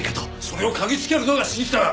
それを嗅ぎつけるのが杉下だ。